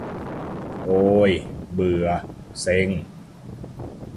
โอ่ย เบื่อ เซ็ง